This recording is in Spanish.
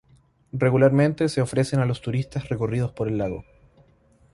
Regularmente, se ofrecen a los turistas recorridos por el lago.